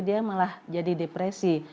dia malah jadi depresi